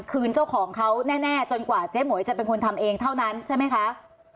คืนเจ้าของเขาแน่จนกว่าเจ๊หมวยจะเป็นคนทำเองเท่านั้นใช่ไหมคะ